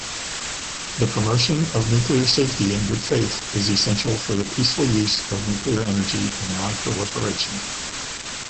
The promotion of nuclear safety in good faith is essential for the peaceful use of nuclear energy and non-proliferation.